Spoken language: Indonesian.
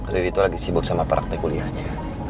riri tuh lagi sibuk sama peraknya kuliahnya